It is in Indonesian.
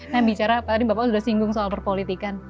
nah bicara tadi bapak sudah singgung soal perpolitikan